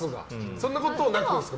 そんなことなくですか？